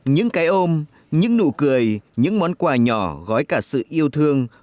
những cái ôm những nụ cười những món quà nhỏ gói cả sự yêu thương